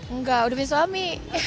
enggak udah punya suami